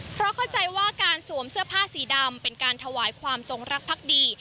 เพราะเข้าใจว่าการสวมเสื้อผ้าสีดำเป็นการถวายความจงรักพักดี